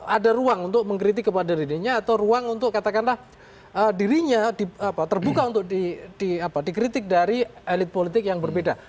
ada ruang untuk mengkritik kepada dirinya atau ruang untuk katakanlah dirinya terbuka untuk dikritik dari elit politik yang berbeda